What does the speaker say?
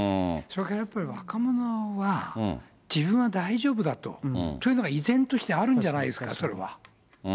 それからやっぱり若者は自分は大丈夫だと、依然としてあるんじゃないですか、それは。